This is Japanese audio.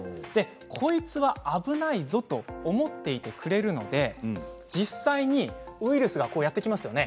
こいつは危ないぞと思っていてくれるので実際にウイルスがやって来ますよね。